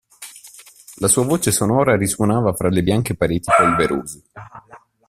La sua voce sonora risuonava fra le bianche pareti polverose.